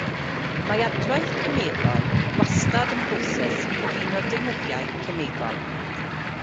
Mae adwaith cemegol wastad yn broses sy'n cyfuno deunyddiau cemegol.